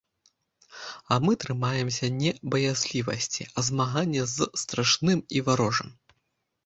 А мы трымаемся не баязлівасці, а змагання з страшным і варожым.